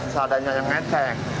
seadanya yang ngeteng